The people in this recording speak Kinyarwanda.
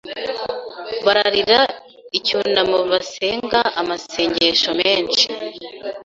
Bararira icyunamo basenga amasengesho menshi